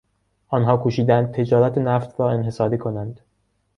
آنها کوشیدند تجارت نفت را انحصاری کنند.